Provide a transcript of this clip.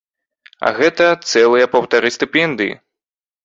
А гэта цэлыя паўтары стыпендыі!